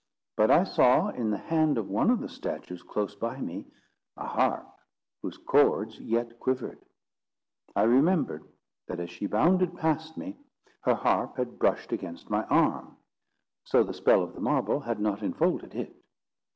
But I saw in the hand of one of the statues close by me, a harp whose chords yet quivered. I remembered that as she bounded past me, her harp had brushed against my arm; so the spell of the marble had not infolded it.